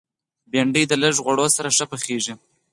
بېنډۍ د لږ غوړو سره ښه پخېږي